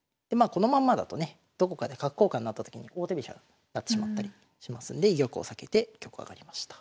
このままだとねどこかで角交換になったときに王手飛車になってしまったりしますんで居玉を避けて玉上がりました。